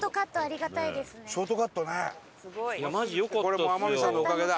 これも天海さんのおかげだ。